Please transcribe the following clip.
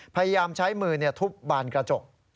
พยายามใช้มือทุบบานกระจก